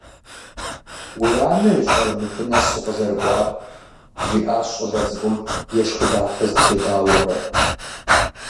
«Уи анэ ищӏэрэ мыбы нэс укъызэрыкӏуар?» жиӏащ щӏалэ цыкӏум ешхыдэфэ зытригъауэурэ.